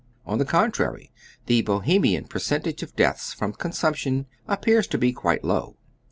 On the con trary, the Bohemian percentage of deaths from consump tion appears quite low.